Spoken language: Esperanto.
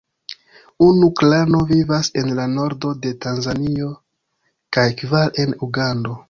Unu klano vivas en la nordo de Tanzanio kaj kvar en Ugando.